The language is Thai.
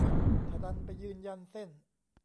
ถ้าดันไปยืนยันเส้น